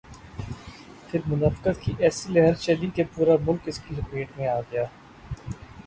پھر منافقت کی ایسی لہر چلی کہ پورا ملک اس کی لپیٹ میں آ گیا۔